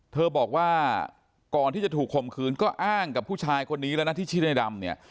บอกว่าก่อนที่จะถูกคมคืนก็อ้างกับผู้ชายคนนี้แล้วนะที่ชื่อในดำเนี่ย